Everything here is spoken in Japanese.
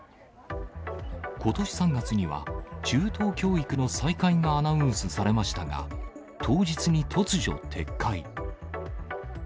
ことし３月には、中等教育の再開がアナウンスされましたが、当日に突如、撤回。